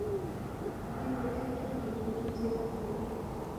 We will definitely move to the Court.